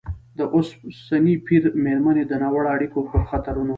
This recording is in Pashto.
د اوسني پېر مېرمنې د ناوړه اړیکو پر خطرونو